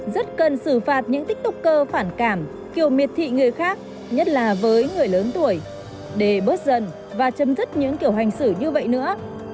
rất cần xử phạt những tích túc cơ phản cảm kiểu miệt thị người khác nhất là với người lớn tuổi để bớt dần và chấm dứt những kiểu hành xử như vậy nữa